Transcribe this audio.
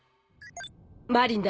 マリンだ。